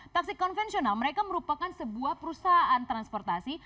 taksi konvensional mereka merupakan sebuah perusahaan transportasi